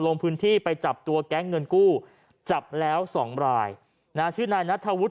ลงพื้นที่ไปจับตัวแก๊งเงินกู้จับแล้วสองรายนะชื่อนายนัทธวุฒิ